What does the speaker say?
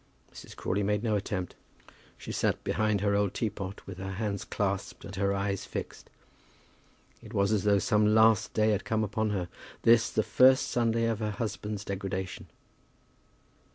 Mrs. Crawley made no attempt. She sat behind her old teapot, with her hands clasped and her eyes fixed. It was as though some last day had come upon her, this, the first Sunday of her husband's degradation.